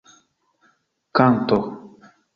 kanto